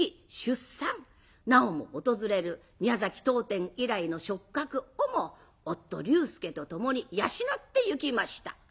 なおも訪れる宮崎滔天以来の食客をも夫龍介と共に養ってゆきました。